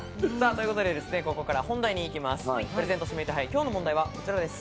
ということで、ここから本題に行きます。